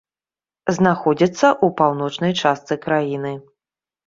Знаходзіцца ў паўночнай частцы краіны.